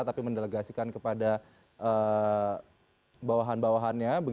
tapi mendelegasikan kepada bawahan bawahannya